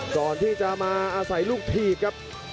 ก่อนที่จะมาอาศัยลูกถีบครับ